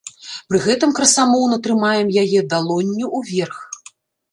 Пры гэтым красамоўна трымаем яе далонню ўверх.